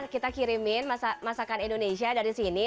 kita kirimin masakan indonesia dari sini